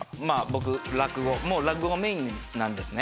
僕もう落語がメインなんですね。